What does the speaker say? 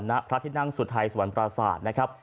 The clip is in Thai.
ณพระที่นั่งสุดท้ายสวรรค์ปราสาทนะครับ